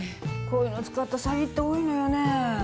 こういうの使った詐欺って多いのよね。